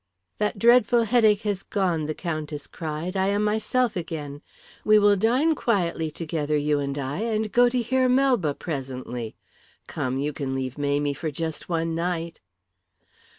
"That dreadful headache has gone," the Countess cried. "I am myself again. We will dine quietly together, you and I, and go to hear Melba presently. Come, you can leave Mamie for just one night."